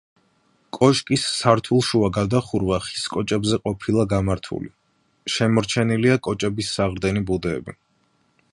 კოშკის სართულშუა გადახურვა ხის კოჭებზე ყოფილა გამართული, შემორჩენილია კოჭების საყრდენი ბუდეები.